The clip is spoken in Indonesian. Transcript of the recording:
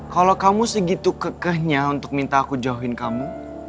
kalau kamu segitu kekehnya untuk minta aku jauhin kamu